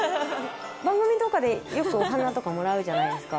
番組とかでよくお花とかもらうじゃないですか。